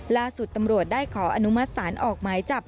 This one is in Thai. ล่าสุดตำรวจได้ขออนุมัติศาลออกหมายจับ